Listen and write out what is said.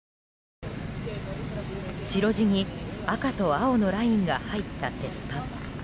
白地に赤と青のラインが入った鉄板。